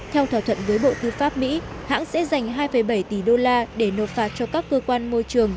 theo thỏa thuận với bộ tư pháp mỹ hãng sẽ dành hai bảy tỷ đô la để nộp phạt cho các cơ quan môi trường